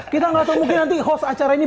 kita gak tau mungkin nanti host acara ini